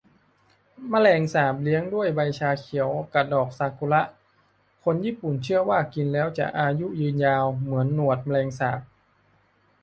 แมงสาบเลี้ยงด้วยใบชาเขียวกะดอกซากูระ คนญี่ปุ่นเชื่อว่ากินแล้วจะอายุยืนยาว เหมือนหนวดแมงสาบ